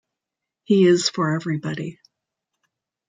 He is for everybody.